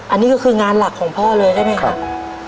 อันนี้ก็คืองานหลักของพ่อเลยใช่ไหมครับ